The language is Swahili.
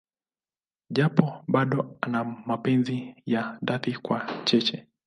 Japo bado ana mapenzi ya dhati kwa Cheche.